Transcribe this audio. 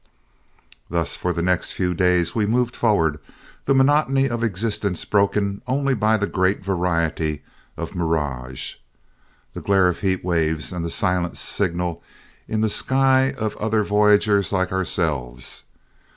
Thus for the next few days we moved forward, the monotony of existence broken only by the great variety of mirage, the glare of heat waves, and the silent signal in the sky of other voyageurs like ourselves.